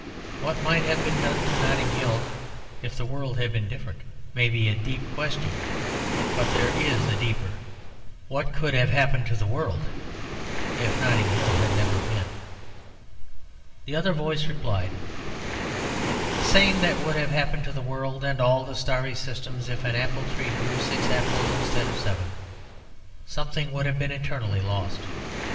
What might have been done to Notting Hill if the world had been different may be a deep question; but there is a deeper. What could have happened to the world if Notting Hill had never been?" The other voice replied "The same that would have happened to the world and all the starry systems if an apple tree grew six apples instead of seven; something would have been eternally lost.